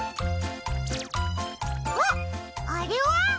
あっあれは？